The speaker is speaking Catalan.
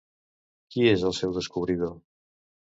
Qui és el seu descobridor?